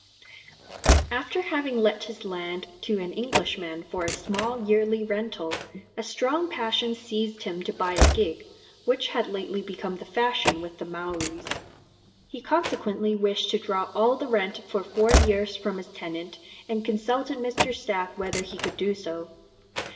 After having let his land to an Englishman for a small yearly rental, a strong passion seized him to buy a gig, which had lately become the fashion with the Maoris. He consequently wished to draw all the rent for four years from his tenant, and consulted Mr. Stack whether he could do so.